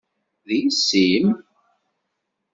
D yessi-m!